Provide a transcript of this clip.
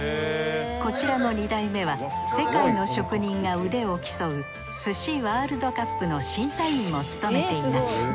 こちらの２代目は世界の職人が腕を競う寿司ワールドカップの審査員も務めています。